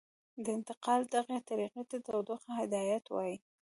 د انتقال دغې طریقې ته تودوخې هدایت وايي.